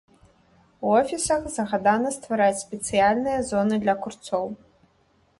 У офісах загадана ствараць спецыяльныя зоны для курцоў.